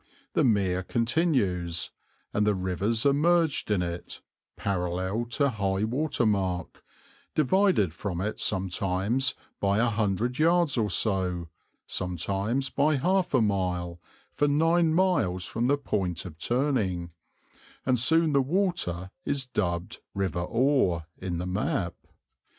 The mere continues, and the rivers are merged in it, parallel to high water mark, divided from it sometimes by a hundred yards or so, sometimes by half a mile, for nine miles from the point of turning, and soon the water is dubbed River Ore in the map.